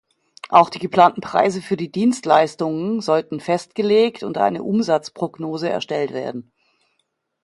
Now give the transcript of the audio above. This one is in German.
Auch die geplanten Preise für die Dienstleistungen sollten festgelegt und eine Umsatzprognose erstellt werden.